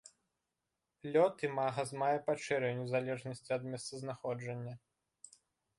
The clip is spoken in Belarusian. Лёт імага з мая па чэрвень у залежнасці ад месцазнаходжання.